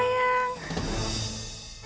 sayang jangan lupa kita